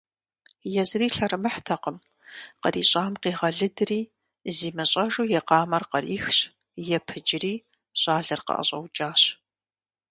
Езыри лъэрымыхьтэкъым, кърищӀам къигъэлыдри, зимыщӀэжу и къамэр кърихщ, епыджри щӏалэр къыӀэщӀэукӀащ.